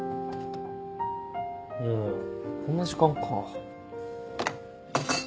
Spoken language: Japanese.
もうこんな時間か。